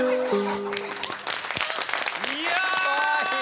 いや！